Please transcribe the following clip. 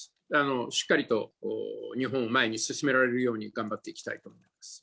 しっかりと日本を前に進められるように頑張っていきたいと思います。